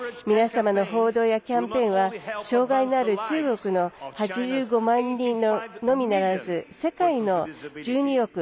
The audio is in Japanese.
皆様の報道やキャンペーンは障がいのある中国の８５万人のみならず世界の１２億